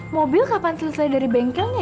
mobil kapan selesai dari bengkelnya